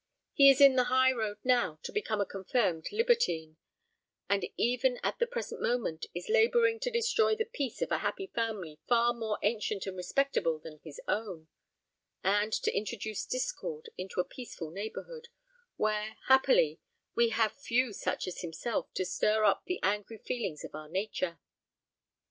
He is in the high road now to become a confirmed libertine, and even at the present moment is labouring to destroy the peace of a happy family far more ancient and respectable than his own, and to introduce discord into a peaceful neighbourhood, where, happily, we have few such as himself to stir up the angry feelings of our nature."